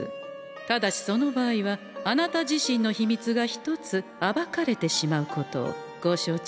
ただしその場合はあなた自身の秘密が１つ暴かれてしまうことをご承知おきくださんせ。